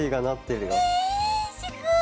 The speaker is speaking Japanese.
ねえすごい。